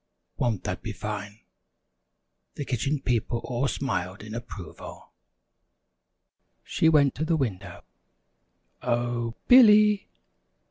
Won't that be fine?" The Kitchen People all smiled in approval. She went to the window. "O h, Billy!